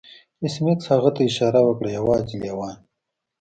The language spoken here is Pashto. ایس میکس هغه ته اشاره وکړه یوازې لیوان